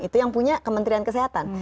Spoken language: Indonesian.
itu yang punya kementerian kesehatan